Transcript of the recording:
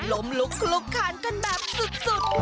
ล้มลุกลุกคานกันแบบสุด